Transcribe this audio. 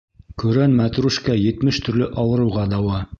Көрән мәтрүшкә етмеш төрлө ауырыуға дауа.